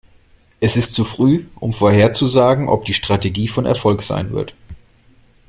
Es ist zu früh, um vorherzusagen, ob die Strategie von Erfolg sein wird.